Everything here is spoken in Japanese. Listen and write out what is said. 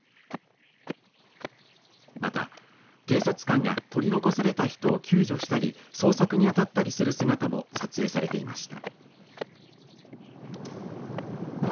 また警察官が取り残された人を救助したり捜索に当たったりする姿も撮影されていました。